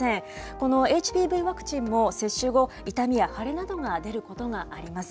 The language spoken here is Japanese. このＨＰＶワクチンも、接種後、痛みや腫れなどが出ることがあります。